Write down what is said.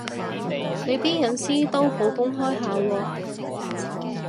你啲私隱都好公開下喎